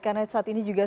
karena saat ini juga